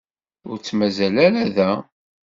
Ur tt-mazal ara da.